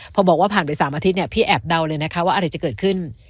พอบอกว่าผ่านไป๓อาทิตย์พี่แอบเดาเลยนะคะว่าอะไรจะเกิดขึ้น